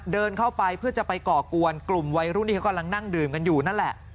เดินเข้าไปเพื่อจะไปก่อกวนกลุ่มวัยรุ่นที่เขากำลังนั่งดื่มกันอยู่นั่นแหละ